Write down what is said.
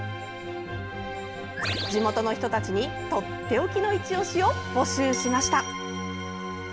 地元の人たちに、とっておきのいちオシを募集しました。